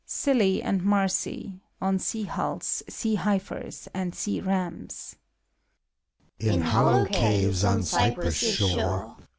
PSYLLI AND MARSI {on sea hulls, sea heifers and sea rams). In hollow caves on Cyprus' shore.